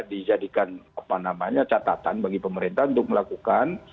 dijadikan catatan bagi pemerintah untuk melakukan